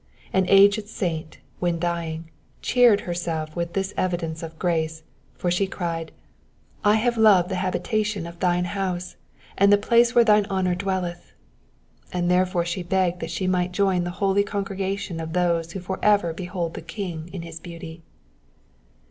An aged saint, when dying, cheered herself with this evidence of grace, for she cried, '* I have loved the habita tion of thine house, and the place where thine honour dwelleth,'' and there fore she begged that she might join the holy congregation of those who for ever behold the King in his beauty.